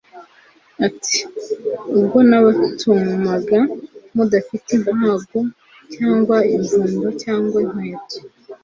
ati: "Ubwo nabatumaga mudafite impago cyangwa imvumba cyangwa inkweto,